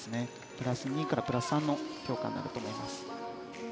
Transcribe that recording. プラス２からプラス３の評価になると思います。